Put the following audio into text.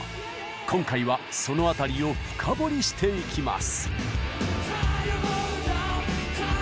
今回はその辺りを深掘りしていきます。